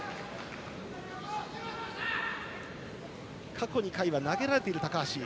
過去２回は投げられている高橋。